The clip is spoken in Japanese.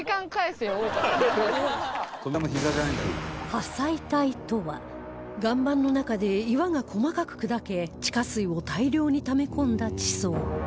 破砕帯とは岩盤の中で岩が細かく砕け地下水を大量にため込んだ地層